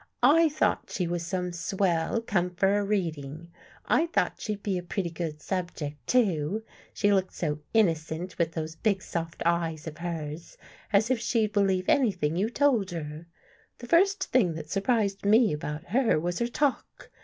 " I thought she was some swell come for a reading. I thought she'd be a pretty good subject, too, she looked so innocent with those big soft eyes of hers, as if she'd believe anything you told her. The first thing that surprised me about her, was her talk.